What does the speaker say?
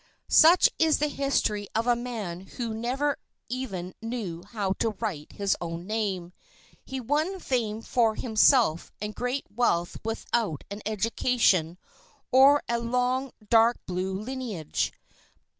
Such is the history of a man who never even knew how to write his own name. He won fame for himself and great wealth without an education or a long, dark blue lineage.